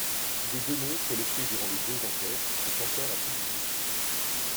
Des données collectées durant les deux enquêtes sont encore à publier.